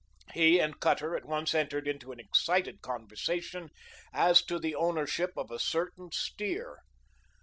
He and Cutter at once entered into an excited conversation as to the ownership of a certain steer.